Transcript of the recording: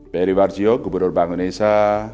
beri warjiyo gubernur bangunan indonesia